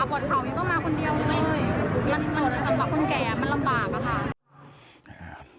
ยังต้องมาคนเดียวเลยสำหรับคนแก่มันลำบาก